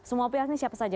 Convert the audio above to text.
semua pihak ini siapa saja